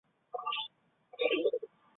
曾祖父周余庆。